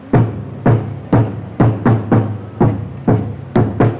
เหมือนกล้าเล็กอร่อย